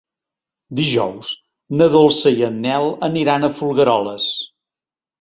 Dijous na Dolça i en Nel aniran a Folgueroles.